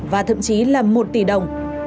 và thậm chí là một tỷ đồng